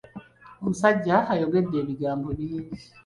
Omusajja ayogedde ebigambo bingi.